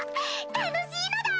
楽しいのだ！